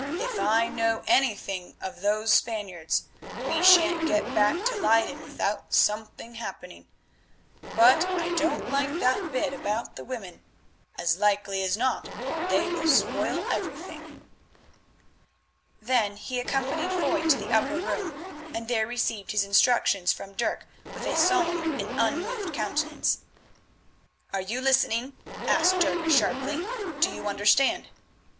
"If I know anything of those Spaniards, we shan't get back to Leyden without something happening. But I don't like that bit about the women; as likely as not they will spoil everything." Then he accompanied Foy to the upper room, and there received his instructions from Dirk with a solemn and unmoved countenance. "Are you listening?" asked Dirk, sharply. "Do you understand?"